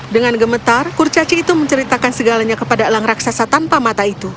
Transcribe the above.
dengan gemetar kurcaci itu menceritakan segalanya kepada elang raksasa tanpa mata itu